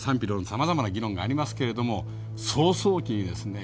さまざまな議論がありますけれども草創期にですね